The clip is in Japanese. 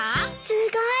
すごい。